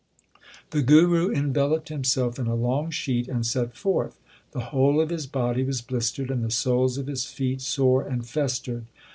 The Guru enveloped himself in a long sheet and set forth. The whole of his body was blistered, and the soles of his feet sore and festered.